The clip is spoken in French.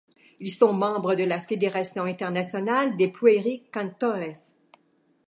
Ils sont membres de la Fédération internationale des Pueri Cantores.